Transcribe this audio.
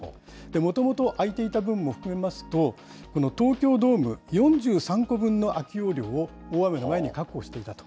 もともと空いていた分も含めますと、東京ドーム４３個分の空き容量を大雨の前に確保していたと。